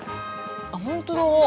あっ本当だ。